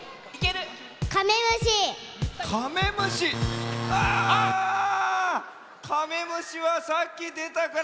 カメムシはさっきでたからアウト！